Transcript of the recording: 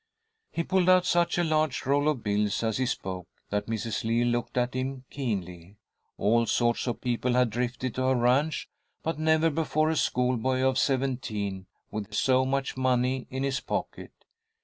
He pulled out such a large roll of bills as he spoke, that Mrs. Lee looked at him keenly. All sorts of people had drifted to her ranch, but never before a schoolboy of seventeen with so much money in his pocket.